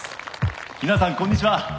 皆さんこんにちは。